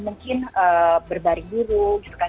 mungkin berbaring buru gitu kan